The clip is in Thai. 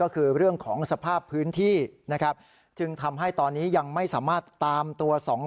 ก็คือเรื่องของสภาพพื้นที่นะครับจึงทำให้ตอนนี้ยังไม่สามารถตามตัวสอง